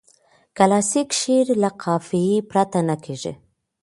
کلاسیک شعر له قافیه پرته نه کیږي.